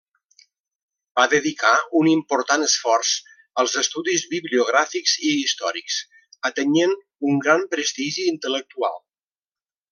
Va dedicar un important esforç als estudis bibliogràfics i històrics, atenyent un gran prestigi intel·lectual.